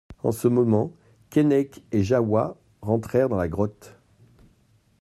En ce moment Keinec et Jahoua rentrèrent dans la grotte.